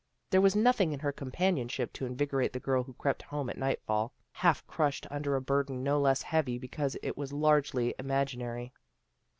There was nothing in her companionship to invigorate the girl who crept home at nightfall, half crushed under a burden no less heavy because it was largely imaginary.